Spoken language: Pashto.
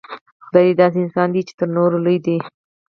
خدای داسې انسان دی چې تر نورو لوی دی.